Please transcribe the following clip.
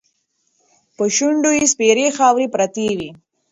په شونډو یې سپېرې خاوې پرتې وې.